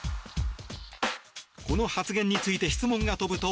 この発言について質問が飛ぶと。